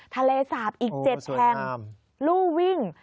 ทะเลสาบอีก๗แห่งลู่วิ่ง